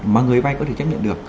mà người vai có thể chấp nhận được